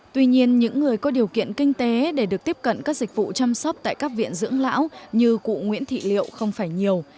tuy nhiên những người có điều kiện kinh tế để được tiếp cận các dịch vụ chăm sóc tại các viện dưỡng lão như cụ nguyễn thị liệu không phải nhiều